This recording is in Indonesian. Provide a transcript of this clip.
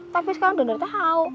tapi sekarang sudah tidak tahu